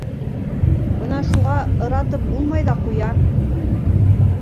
Бына шуға ыратып булмай ҙа ҡуя.